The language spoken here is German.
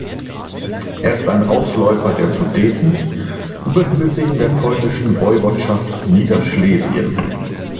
Es ist ein Ausläufer der Sudeten und befindet sich in der polnischen Woiwodschaft Niederschlesien.